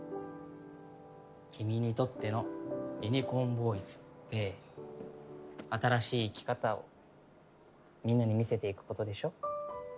君にとってのユニコーンボーイズって新しい生き方をみんなに見せていく事でしょ？